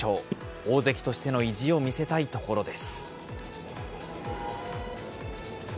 大関としての意地を見せたいところです。